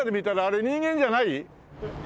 あれ人間じゃない？